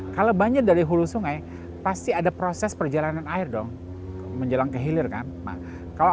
kalau banjir dari hulu sungai pasti ada proses perjalanan air dong menjelang kehilir kan kalau